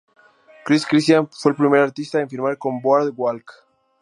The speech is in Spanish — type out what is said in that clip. Chris Christian fue el primer artista en firmar con Boardwalk.